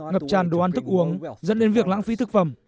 ngập tràn đồ ăn thức uống dẫn đến việc lãng phí thực phẩm